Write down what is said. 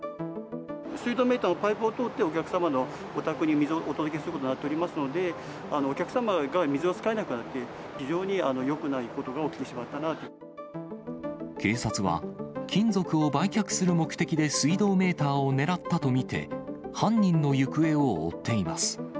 水道メーターは、パイプを通ってお客様のお宅に水をお届けすることになっておりますので、お客様が水を使えなくなって、非常によくないことが起きてしま警察は、金属を売却する目的で水道メーターを狙ったと見て、犯人の行方を追っています。